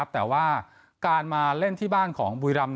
แต่ว่าการมาเล่นที่บ้านของบุรีรำ